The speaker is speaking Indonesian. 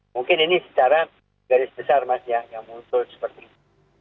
mungkin ini secara garis besar mas ya yang muncul seperti itu